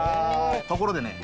ところでね